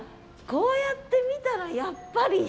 こうやって見たらやっぱり。